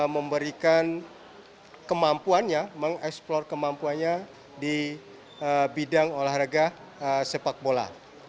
memberikan kemampuannya mengeksplor kemampuannya di bidang olahraga sepak bola